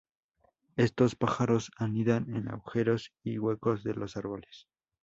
Estos pájaros anidan en agujeros y huecos de los árboles.